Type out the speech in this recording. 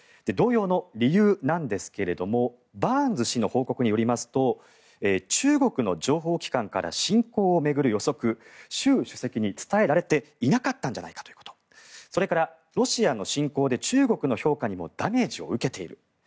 動揺の理由なんですがバーンズ氏の報告によりますと中国の情報機関から侵攻を巡る予測が習主席に伝えられていなかったんじゃないかということそれから、ロシアの侵攻で中国の評価にもダメージを受けている。